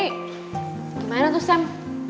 gimana tuh sam